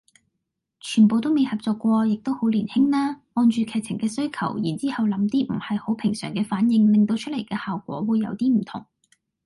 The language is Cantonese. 全部都未合作過亦都好年青啦，按住劇情嘅需求然之後諗啲唔係好平常嘅反應令到出嚟嘅效果會有啲唔同